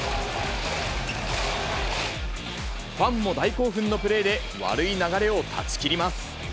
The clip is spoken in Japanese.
ファンも大興奮のプレーで、悪い流れを断ち切ります。